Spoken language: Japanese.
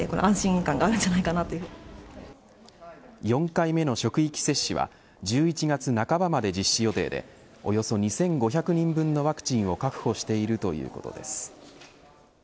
４回目の職域接種は１１月半ばまで実施予定でおよそ２５００人分のワクチンを確保しているということです。